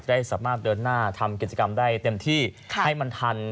ได้สามารถเดินหน้าทำกิจกรรมได้เต็มที่ให้มันทัน